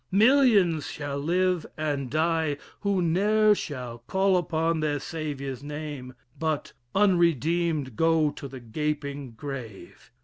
Millions shall live and die Who ne'er shall call upon their Saviour's name, But, unredeemed, go to the gaping, grave.